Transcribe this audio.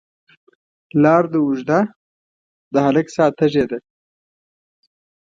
لار ده اوږده، د هلک ساه تږې ده